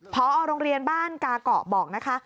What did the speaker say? พอโรงเรียนบ้านกาเกาะบอกนะคะ